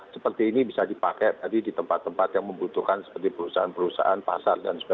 seperti ini bisa dipakai tadi di tempat tempat yang membutuhkan seperti perusahaan perusahaan pasar dan sebagainya